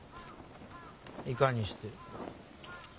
いかにして？